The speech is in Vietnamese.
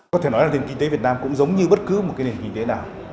có thể nói là nền kinh tế việt nam cũng giống như bất cứ một cái nền kinh tế nào